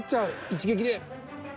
［一撃で］